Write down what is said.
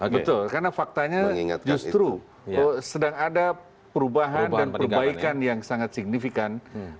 betul karena faktanya justru sedang ada perubahan dan perbaikan yang sangat signifikan